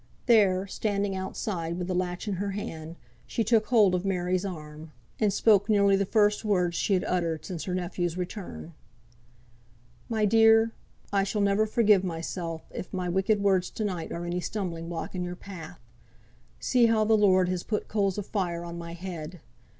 There, standing outside, with the latch in her hand, she took hold of Mary's arm, and spoke nearly the first words she had uttered since her nephew's return. "My dear! I shall never forgive mysel, if my wicked words to night are any stumbling block in your path. See how the Lord has put coals of fire on my head!